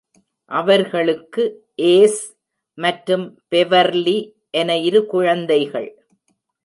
அவர்களுக்கு ஏஸ் மற்றும் பெவெர்லி என இரு குழந்தைகள்.